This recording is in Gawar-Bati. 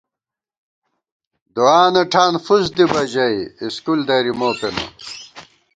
دُعانہ ٹھان فُسدِبہ ژَئی، اِسکول دری مو پېنہ